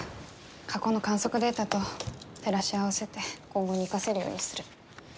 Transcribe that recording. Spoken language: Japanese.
過去の観測データと照らし合わせて今後に生かせるようにする。